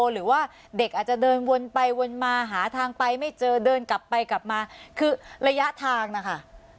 หรือว่าเด็กอาจจะเดินวนไปวนมาหาทางไปไม่เจอเดินกลับไปกลับมาคือระยะทางนะคะ